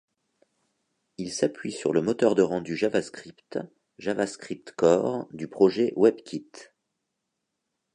Il s'appuie sur le moteur de rendu JavaScript JavaScriptCore du projet WebKit.